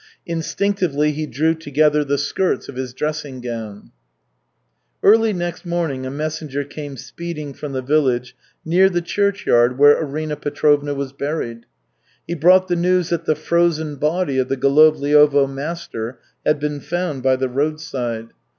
Instinctively he drew together the skirts of his dressing gown. Early next morning a messenger came speeding from the village near the churchyard where Arina Petrovna was buried. He brought the news that the frozen body of the Golovliovo master had been found by the roadside.